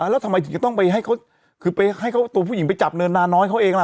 แล้วทำไมถึงจะต้องไปให้เขาคือไปให้เขาตัวผู้หญิงไปจับเนินนาน้อยเขาเองล่ะ